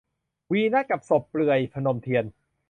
วีนัสกับศพเปลือย - พนมเทียน